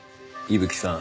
伊吹さん！